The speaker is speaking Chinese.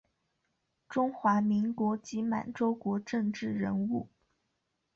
中华民国及满洲国政治人物。